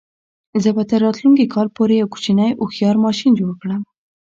زه به تر راتلونکي کال پورې یو کوچنی هوښیار ماشین جوړ کړم.